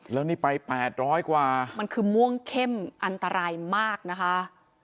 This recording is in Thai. แล้วนี่ไป๘๐๐กว่ามันคือม่วงเข้มอันตรายมากนะคะ